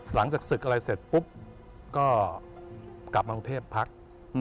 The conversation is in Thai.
หลังจากศึกอะไรเสร็จปุ๊บก็กลับมากรุงเทพพัก